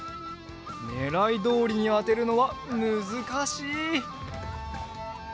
ねらいどおりにあてるのはむずかしい！